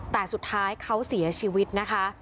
แต่สุดท้ายเขาเสียชีวิตนะคะ